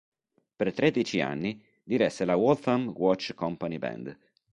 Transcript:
Per tredici anni diresse la Waltham Watch Company Band.